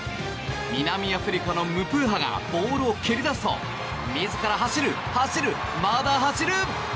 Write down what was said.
南アフリカのムプーハがボールを蹴り出すと自ら走る、走るまだ走る！